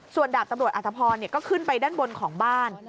ส่วนดาบตำรวจอธพรก็ขึ้นไปด้านบนของบ้าน